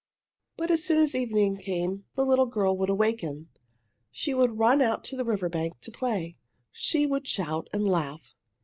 But as soon as evening came the little girl would awaken. She would run out to the river bank to play. She would shout and laugh.